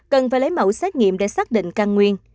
cần phải lấy mẫu xét nghiệm để xác định căn nguyên